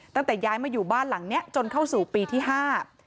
ตั้งแต่ย้ายมาอยู่บ้านหลังเนี้ยจนเข้าสู่ปีที่ห้า